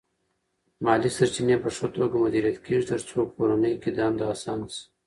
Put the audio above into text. مالی سرچینې په ښه توګه مدیریت کېږي ترڅو کورنۍ کې دنده اسانه شي.